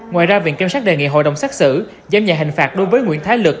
ngoài ra viện kiểm sát đề nghị hội đồng xét xử giảm nhẹ hình phạt đối với nguyễn thái lực